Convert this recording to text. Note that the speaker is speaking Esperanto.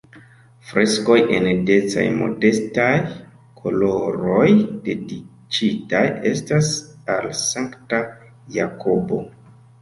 Freskoj en decaj-modestaj koloroj dediĉitaj estas al Sankta Jakobo.